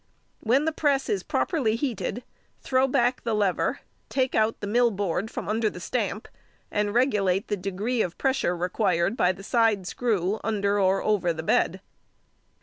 When the press is properly heated, throw back the lever; take out the mill board from under the stamp, and regulate the degree of pressure required by the side screw under or over the bed.